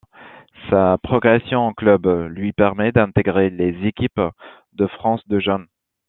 Sa progression en club lui permet d'intégrer les équipes de France de jeunes.